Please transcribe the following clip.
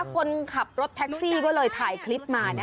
คนขับรถแท็กซี่ก็เลยถ่ายคลิปมา